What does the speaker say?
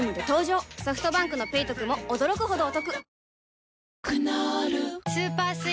ソフトバンクの「ペイトク」も驚くほどおトク